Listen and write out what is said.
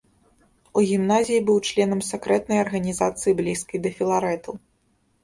У гімназіі быў членам сакрэтнай арганізацыі блізкай да філарэтаў.